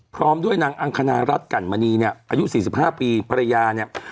พร้อมด้วยนางอังคณะรัฐกันมณีเนี้ยอายุสี่สิบห้าปีภรรยาเนี้ย